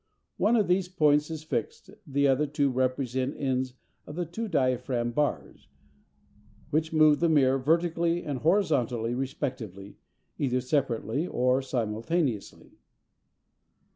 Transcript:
One of these points is fixed, the other two represent the ends of the two diaphragm bars, which move the mirror vertically and horizontally respectively, either separately or simultaneously.